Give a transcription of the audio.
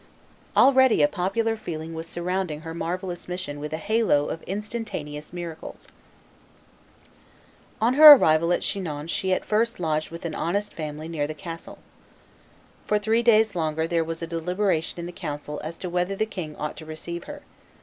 Already popular feeling was surrounding her marvellous mission with a halo of instantaneous miracles. [Illustration: CHINON CASTLE 95] On her arrival at Chinon she at first lodged with an honest family near the castle. For three days longer there was a deliberation in the council as to whether the king ought to receive her.